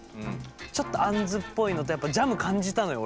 ちょっとあんずっぽいのとやっぱジャム感じたのよ